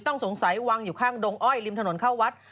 ต้องสงสัยวางอยู่ข้างดงอ้อยริมถนนเข้าวัด